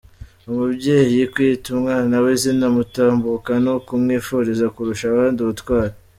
Umubyeyi kwita umwana we izina Mutambuka ni ukumwifuriza kurusha abandi ubutwari.